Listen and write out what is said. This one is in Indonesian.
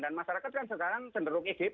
dan masyarakat sekarang cenderung edp